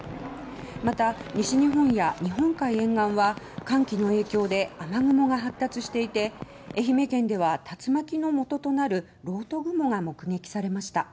また西日本や日本海沿岸は寒気の影響で雨雲が発達していて愛媛県では竜巻の元となる漏斗雲が目撃されました。